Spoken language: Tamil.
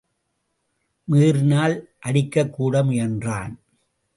மீறினால் அடிக்கக்கூட முயன்றான்.